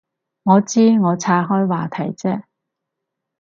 我知，我岔开话题啫